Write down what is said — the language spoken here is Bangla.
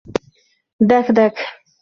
দেখ, দেখ।